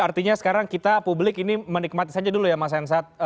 artinya sekarang kita publik ini menikmati saja dulu ya mas hensat